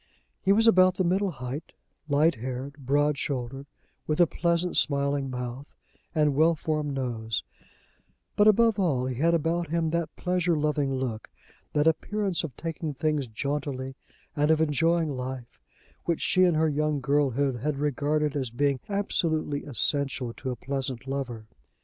He was about the middle height, light haired, broad shouldered, with a pleasant smiling mouth and well formed nose; but above all, he had about him that pleasure loving look, that appearance of taking things jauntily and of enjoying life, which she in her young girlhood had regarded as being absolutely essential to a pleasant lover.